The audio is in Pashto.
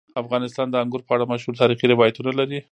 افغانستان د انګور په اړه مشهور تاریخی روایتونه لري.